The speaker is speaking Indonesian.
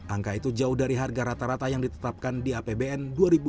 angka itu jauh dari harga rata rata yang ditetapkan di apbm